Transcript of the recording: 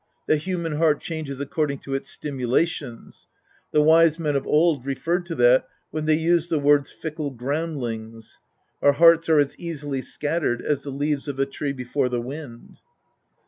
The human heart changes according to its stimulations. The wise men of old referred to that when they used the words "fickle groundlings." Our hearts are as easily scattered as the leaves of a tree before the wind.